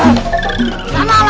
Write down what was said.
dan tadi kalau ga bisa cari